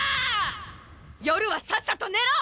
夜はさっさと寝ろ！